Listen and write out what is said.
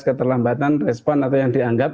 keterlambatan respon atau yang dianggap